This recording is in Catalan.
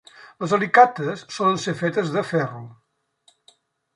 Les alicates solen ser fetes de ferro.